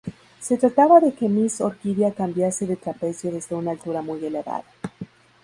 Se trataba de que Miss Orquídea cambiase de trapecio desde una altura muy elevada.